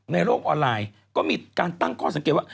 ในโลกออนไลน์ก็มีการตั้งข้อสังเกตว่า